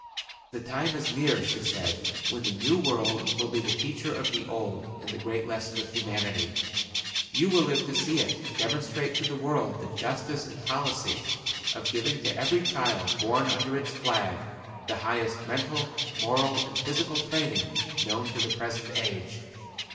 "The time is near," she said, "when the New World will be the teacher of the Old in the great lesson of Humanity. You will live to see it demonstrate to the world the justice and policy of giving to every child born under its flag the highest mental, moral and physical training known to the present age.